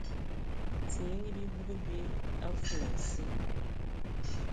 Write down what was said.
Timigi bibug bi a fulansi.